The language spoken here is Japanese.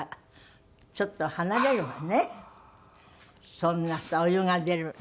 そんなさお湯が出るって。